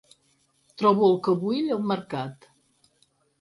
Trobo el que vull al mercat.